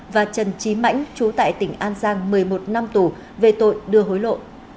và trần trí mãnh chú tại tỉnh an giang một mươi một năm tù về tội đưa hối lộ